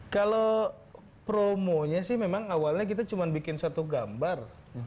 kalau promonya sih memang awalnya kita cuma bikin satu gambar